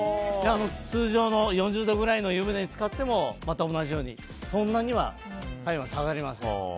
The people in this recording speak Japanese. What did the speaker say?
通常の４０度くらいの湯船につかってもまた同じように、そんなには体温は下がりません。